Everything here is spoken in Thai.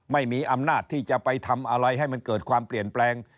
ไม่มีอำนาจที่จะไปทำอะไรให้มันเกิดความเปลี่ยนแปลง